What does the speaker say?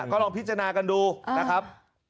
ก็ลองพิจารณากันดูนะครับ